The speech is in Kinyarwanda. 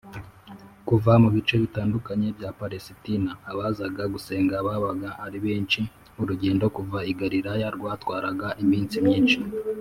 . Kuva mu bice bitandukanye bya Palesitina, abazaga gusenga babaga ari benshi. Urugendo kuva i Galilaya rwatwaraga iminsi myinshi